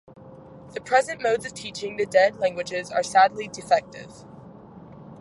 The present modes of teaching the dead languages are sadly defective.